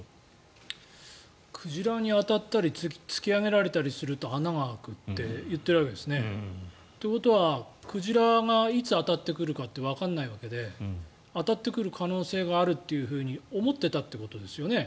鯨に当たったり突き上げられたりすると穴が開くって言っているわけですね。ということは鯨がいつ当たってくるかということはわからないわけで当たってくる可能性があると思ってたってことですよね？